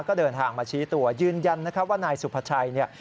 ก็เดินทางมาชี้ตัวยืนยันนะครับว่านายสุภาชัยเนี่ย